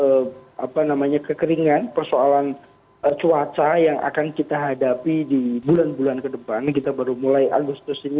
sedangkan kita berhadapan pada persoalan juga apa namanya kekeringan persoalan cuaca yang akan kita hadapi di bulan bulan kedepan kita baru mulai agustus ini